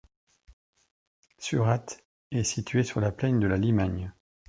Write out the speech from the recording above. Surat est située sur la plaine de la Limagne.